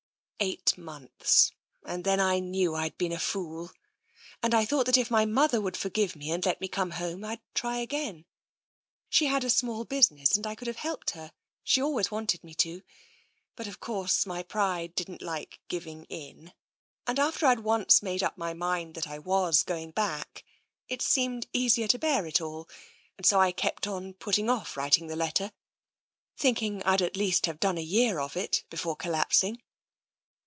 "" Eight months. And then I knew Fd been a fool, and I thought that if my mother would forgive me and let me come home, I'd try again. She had a small business and I could have helped her — she al ways wanted me to. But of course my pride didn't like giving in, and after I'd once made up my mind that I was going back, it seemed easier to bear it all, and so I kept on putting off writing the letter, think ing I'd at least have done a year of it before collapsing.